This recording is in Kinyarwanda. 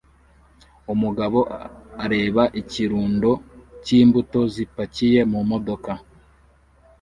Umugabo areba ikirundo cy'imbuto zipakiye mu modoka